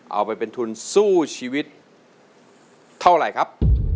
เอาไปเป็นทุนสู้ชีวิตเท่าไหร่ครับ